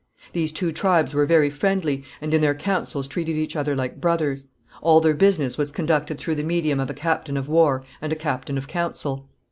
These two tribes were very friendly, and in their councils treated each other like brothers. All their business was conducted through the medium of a captain of war and a captain of council.